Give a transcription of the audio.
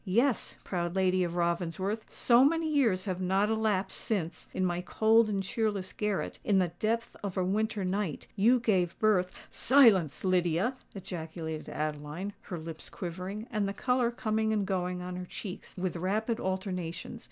Yes, proud lady of Ravensworth—so many years have not elapsed since, in my cold and cheerless garret, in the depth of a winter night, you gave birth——" "Silence, Lydia!" ejaculated Adeline, her lips quivering, and the colour coming and going on her cheeks with rapid alternations.